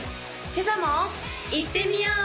今朝もいってみよう！